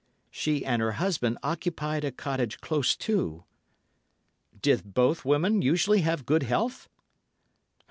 "She and her husband occupied a cottage close to." "Did both women usually have good health?"